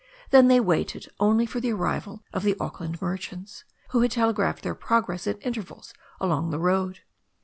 Then they waited only for the arrival of the Auckland mer chants, who had telegraphed their progress at intervals along the road.